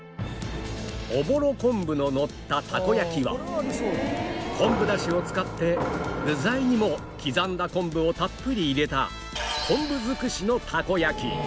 おぼろ昆布ののったたこ焼きは昆布出汁を使って具材にも刻んだ昆布をたっぷり入れた昆布づくしのたこ焼き